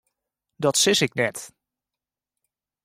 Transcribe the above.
Dat sis ik net.